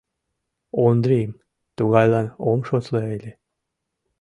Ондрийым тугайлан ом шотло ыле...